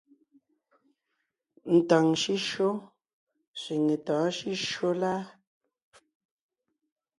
Ntàŋ shʉ́shyó sẅiŋe tɔ̌ɔn shʉ́shyó láa ?